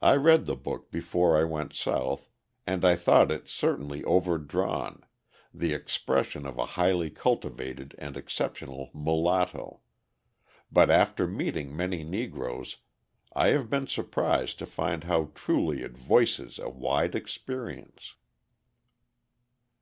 I read the book before I went South and I thought it certainly overdrawn, the expression of a highly cultivated and exceptional Mulatto, but after meeting many Negroes I have been surprised to find how truly it voices a wide experience.